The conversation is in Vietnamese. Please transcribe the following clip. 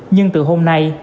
nhưng từ hôm nay